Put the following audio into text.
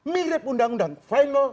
mirip undang undang final